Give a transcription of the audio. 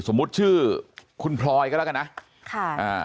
สมมุติชื่อคุณพลอยก็แล้วกันนะค่ะอ่า